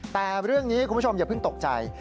แต่เรื่องนี้คุณผู้ชมอย่าเพิ่งตกใจ